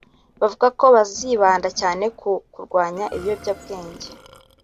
Bavuga ko bazibanda cyane ku kurwanya ibiyobyabwenge